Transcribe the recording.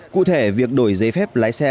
cụ thể việc đổi giấy phép lái xe